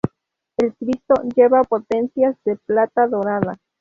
El Cristo lleva potencias de plata dorada.